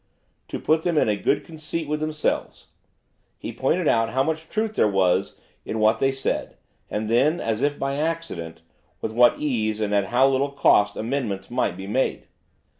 To put them in a good conceit with themselves. He pointed out how much truth there was in what they said; and then, as if by accident, with what ease and at how little cost, amendments might be made.